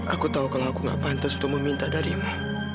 aku tahu kalau aku gak pantas untuk meminta darimu